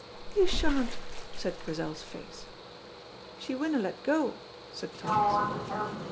"You sha'n't!" said Grizel's face. "She winna let go," said Tommy's.